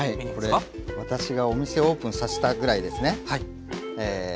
これ私がお店をオープンさせたぐらいですねえ